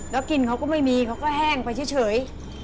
แล้วกินเขาก็ไม่มีเขาก็แห้งไปเฉย